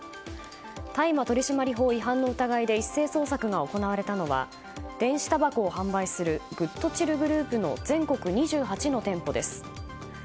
大麻取締法違反の疑いで一斉捜索が行われたのは電子たばこを販売するＧＯＯＤＣＨＩＬＬグループの全国２８の店舗です。